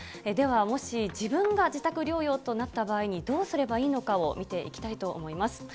では、もし自分が自宅療養となった場合に、どうすればいいのかを見ていきたいと思います。